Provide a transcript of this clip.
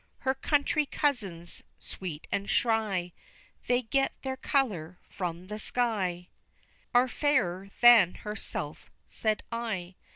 "Her country cousins sweet and shy, That get their color from the sky, Are fairer than herself," said I.